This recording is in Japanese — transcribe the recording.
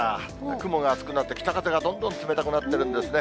雲が厚くなって、北風がどんどん冷たくなってるんですね。